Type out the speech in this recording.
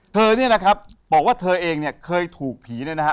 เธอเนี่ยนะครับบอกว่าเธอเองเนี่ยเคยถูกผีเนี่ยนะฮะ